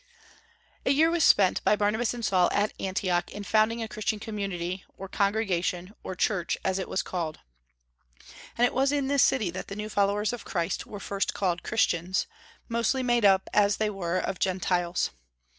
A year was spent by Barnabas and Saul at Antioch in founding a Christian community, or congregation, or "church," as it was called. And it was in this city that the new followers of Christ were first called "Christians," mostly made up as they were of Gentiles.